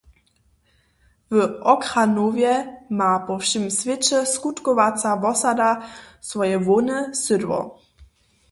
W Ochranowje ma po wšěm swěće skutkowaca wosada swoje hłowne sydło.